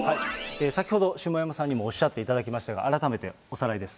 先ほど下山さんにもおっしゃっていただきましたけれども、改めておさらいです。